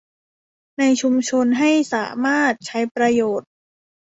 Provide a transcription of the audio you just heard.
ในชุมชนให้สามารถใช้ประโยชน์